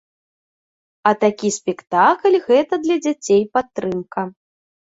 А такі спектакль гэта для дзяцей падтрымка.